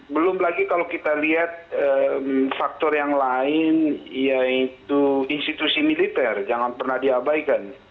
belum lagi kalau kita lihat faktor yang lain yaitu institusi militer jangan pernah diabaikan